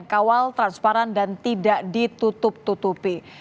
kawal transparan dan tidak ditutup tutupi